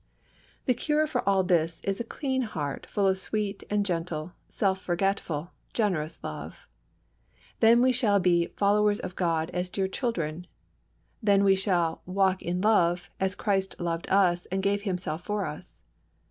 The cure for all this is a clean heart full of sweet and gentle, self forgetful, generous love. Then we shall be "followers of God as dear children," then we shall "walk in love as Christ loved us, and gave Himself for us."